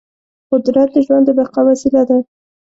قدرت د ژوند د بقا وسیله ده.